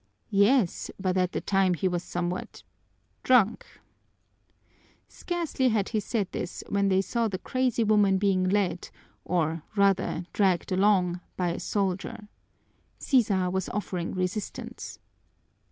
"Yes, but at the time he was somewhat drunk." Scarcely had he said this when they saw the crazy woman being led, or rather dragged along, by a soldier. Sisa was offering resistance.